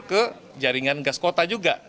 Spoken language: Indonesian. ke jaringan gas kota juga